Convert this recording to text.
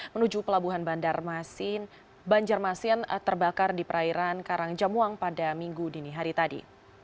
menuju pelabuhan bandar masin banjarmasin terbakar di perairan karangjamuang pada minggu dini hari tadi